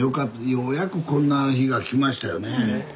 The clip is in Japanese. ようやくこんな日が来ましたよね。